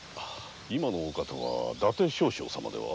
今のお方は伊達少将様では？